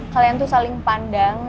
kalian tuh saling pandang